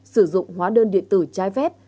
sử dụng hóa đơn điện tử trái phép